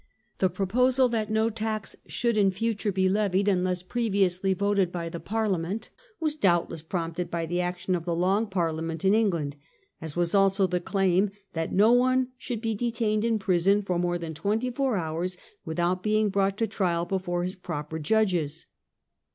The proposal that no tax should in future be levied unless previously voted by the Parliament was doubtless prompted by the action of the Long Parliament in England, as was also the claim that no one should be detained in prison for more than twenty four hours with out being brought to trial before his proper judges.